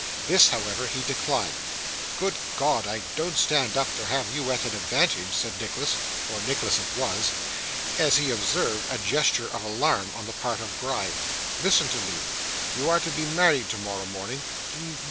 This, however, he declined. 'Good God! I don't stand up to have you at an advantage,' said Nicholas (for Nicholas it was), as he observed a gesture of alarm on the part of Gride. 'Listen to me. You are to be married tomorrow morning.